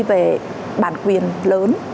về bản quyền lớn